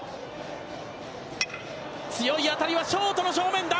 強い当たりは、ショートの正面だ。